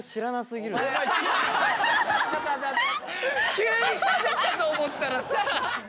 急にしゃべったと思ったらさ。